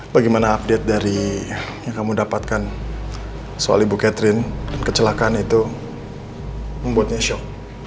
bagaimana update dari yang kamu dapatkan soal ibu catherine dan kecelakaan itu membuatnya show